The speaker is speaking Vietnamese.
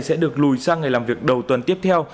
sẽ được lùi sang ngày làm việc đầu tuần tiếp theo